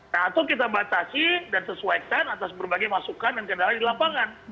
nah atau kita batasi dan sesuaikan atas berbagai masukan dan kendala di lapangan